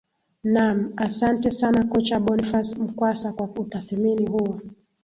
naam asante sana kocha bonifas mkwasa kwa utathimini huo